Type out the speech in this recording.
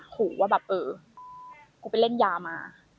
ขู่ว่าปิ๊บกูไปเล่นยามา